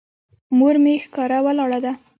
مور مې ښکاره ولاړه ده.